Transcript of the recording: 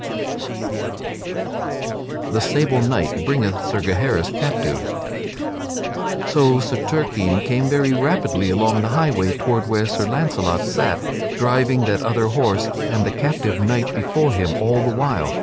[Sidenote: The sable knight bringeth Sir Gaheris captive] So Sir Turquine came very rapidly along the highway toward where Sir Launcelot sat, driving that other horse and the captive knight before him all the while.